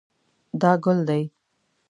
دا ګل دی